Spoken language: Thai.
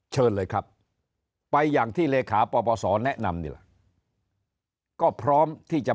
เชิญเลยครับไปอย่างที่เลขาปปศแนะนำนี่แหละก็พร้อมที่จะ